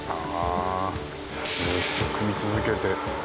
ずっと汲み続けて。